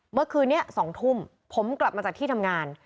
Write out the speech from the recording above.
เมื่อคืนนี้๒ทุ่มผมกลับมาจากที่ทำงาน